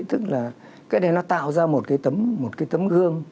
tức là cái này nó tạo ra một cái tấm gương